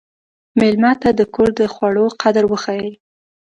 مېلمه ته د کور د خوړو قدر وښیه.